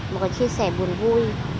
mà còn chia sẻ buồn vui